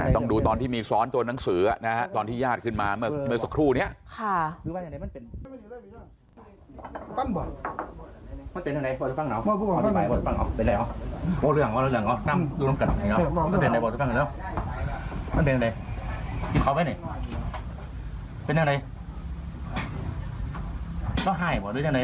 ต้องดูตอนที่มีซ้อนตัวหนังสือตอนที่ญาติขึ้นมาเมื่อสักครู่นี้